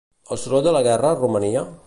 El soroll de la guerra romania?